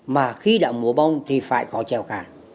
mà khi đã mùa bóng thì phải có trèo cạn